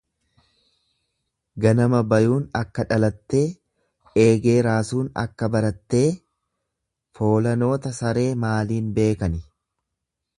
Ganama bayuun akka dhalattee, eegee raasuun akka barattee, foolanoota saree maaliin beekani?